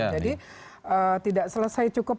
jadi tidak selesai cukup